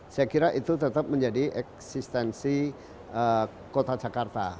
saya kira itu tetap menjadi eksistensi kota jakarta